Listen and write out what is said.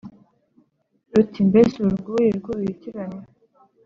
Ruti "mbese uru rwiri rw' uruhitirane ,